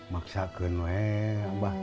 maksakan ya abah